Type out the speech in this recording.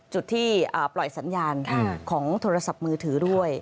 จุดที่ปล่อยสัญญาณของโทรศัพท์มือถือด้วย